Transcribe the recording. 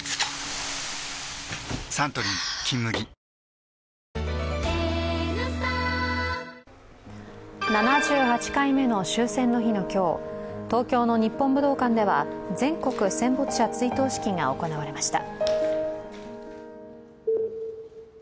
サントリー「金麦」７８回目の終戦の日の今日、東京の日本武道館では全国戦没者追悼式が行われました。